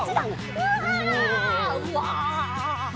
うわ！